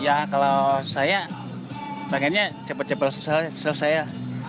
ya kalau saya sebagainya cepat cepat selesai ya